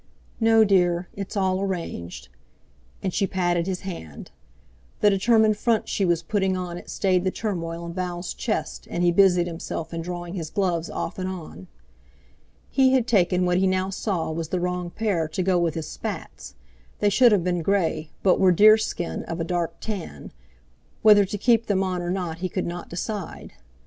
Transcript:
"No, dear; it's all arranged." And she patted his hand. The determined front she was putting on it stayed the turmoil in Val's chest, and he busied himself in drawing his gloves off and on. He had taken what he now saw was the wrong pair to go with his spats; they should have been grey, but were deerskin of a dark tan; whether to keep them on or not he could not decide.